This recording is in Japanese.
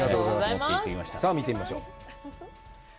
さあ見てみましょう。